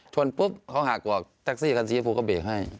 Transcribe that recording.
ปุ๊บเขาหากว่าแท็กซี่คันสีชมพูก็เบรกให้